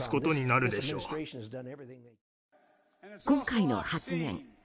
今回の発言